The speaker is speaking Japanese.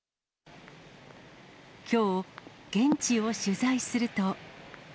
きょう、現地を取材すると。